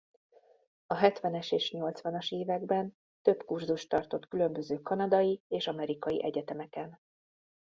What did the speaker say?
A hetvenes és nyolcvanas években több kurzust tartott különböző kanadai és amerikai egyetemeken.